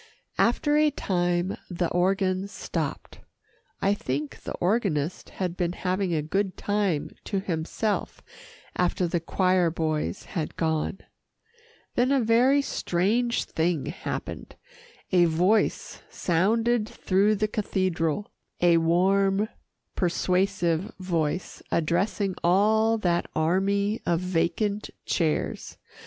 After a time, the organ stopped. I think the organist had been having a good time to himself after the choir boys had gone. Then a very strange thing happened. A voice sounded through the cathedral a warm, persuasive voice, addressing all that army of vacant chairs.